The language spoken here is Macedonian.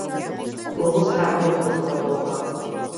Голо здравје, готова болка.